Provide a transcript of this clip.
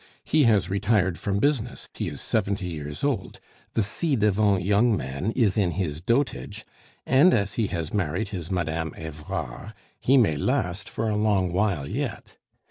He has retired from business, he is seventy years old; the ci devant young man is in his dotage; and as he has married his Mme. Evrard, he may last for a long while yet.